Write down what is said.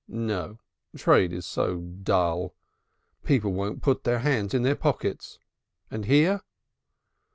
"No, trade is so dull. People won't put their hands in their pockets. And here?"